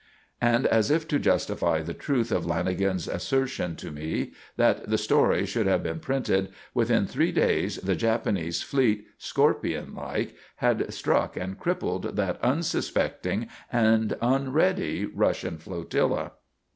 And as if to justify the truth of Lanagan's assertion to me that the story should have been printed, within three days the Japanese fleet, scorpion like, had struck and crippled that unsuspecting and unready Russian flotilla.